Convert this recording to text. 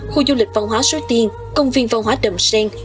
khu du lịch văn hóa số tiên công viên văn hóa đầm sen